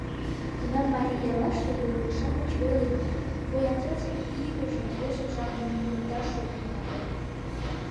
Тунам марий яллаште йорло-шамыч веле мо, поянжат шке игыжым пешыжак туныкташ шонен огыл.